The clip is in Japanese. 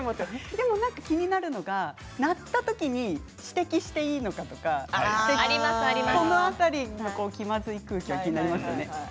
でも気になるのは鳴った時に指摘していいのかとかその辺り気まずい空気がありますよね。